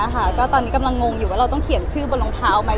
ก็ตอนนี้กำลังงงอยู่ว่าเราต้องเขียนชื่อบนรองเท้าไหม